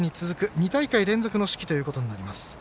２大会連続の指揮ということになります。